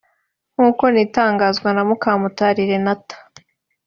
nk’uko nitangazwa na Mukamutari Renata